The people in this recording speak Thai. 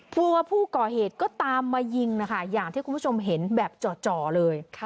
ตัวผู้ก่อเหตุก็ตามมายิงนะคะอย่างที่คุณผู้ชมเห็นแบบจ่อเลย